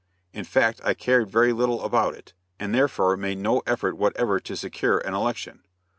In fact I cared very little about it, and therefore made no effort whatever to secure an election.